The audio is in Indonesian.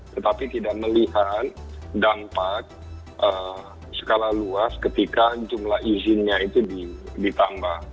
tetapi tidak melihat dampak skala luas ketika jumlah izinnya itu ditambah